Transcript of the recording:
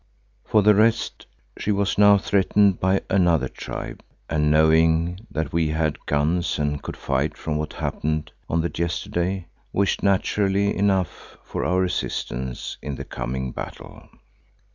For the rest, she was now threatened by another tribe and knowing that we had guns and could fight from what happened on the yesterday, wished naturally enough for our assistance in the coming battle.